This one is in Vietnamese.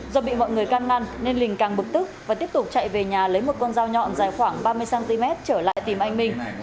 do bị mọi người can ngăn nên lình càng bực tức và tiếp tục chạy về nhà lấy một con dao nhọn dài khoảng ba mươi cm trở lại tìm anh minh